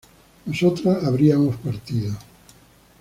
nosotras habríamos partido